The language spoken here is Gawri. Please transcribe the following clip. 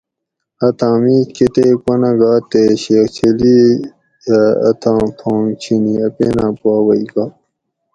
اتھاں میش کتیک پونہ گا تے شیخ چلی اۤ اتھاں پھانگ چھینی اپینہ پا وُئ گا